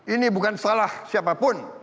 ini bukan salah siapapun